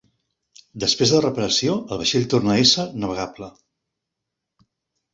Després de la reparació el vaixell torna a ésser navegable.